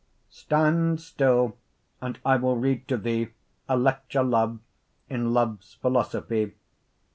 _ Stand still, and I will read to thee A Lecture, Love, in loves philosophy.